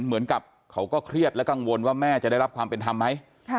เหมือนกับเขาก็เครียดและกังวลว่าแม่จะได้รับความเป็นธรรมไหม